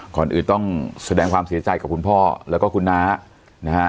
ก่อนอื่นต้องแสดงความเสียใจกับคุณพ่อแล้วก็คุณน้านะฮะ